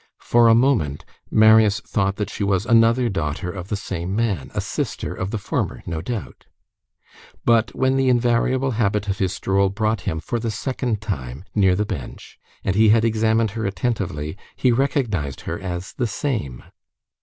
For a moment, Marius thought that she was another daughter of the same man, a sister of the former, no doubt. But when the invariable habit of his stroll brought him, for the second time, near the bench, and he had examined her attentively, he recognized her as the same.